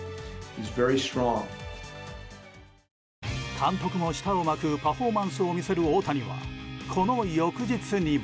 監督も舌を巻くパフォーマンスを見せる大谷はこの翌日にも。